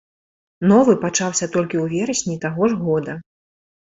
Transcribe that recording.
Новы пачаўся толькі ў верасні таго ж года.